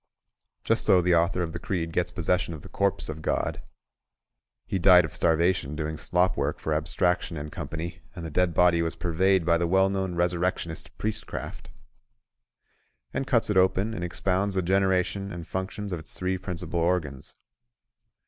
Just so the author of this creed gets possession of the corpse of God (He died of starvation doing slop work for Abstraction and Company; and the dead body was purveyed by the well known resurrectionist Priestcraft), and cuts it open and expounds the generation and functions of its three principal organs.